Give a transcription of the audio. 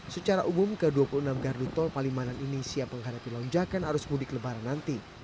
secara umum ke dua puluh enam gardu tol palimanan ini siap menghadapi lonjakan arus mudik lebaran nanti